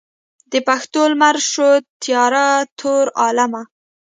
د پښتون لمر شو تیاره تور عالمه.